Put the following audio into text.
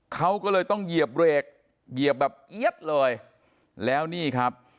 เขาก็เลยต้องเหยียบเบรกเหยียบแบบเอี๊ยดเลยแล้วนี่ครับ